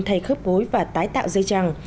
thay khớp gối và tái tạo dây chằng